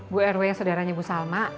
bu rw ya saudaranya bu salma